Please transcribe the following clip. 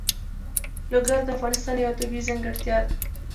لوگر د افغانستان یوه طبیعي ځانګړتیا ده.